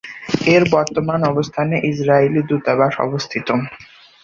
এর বর্তমান অবস্থানে ইসরায়েলি দূতাবাস অবস্থিত।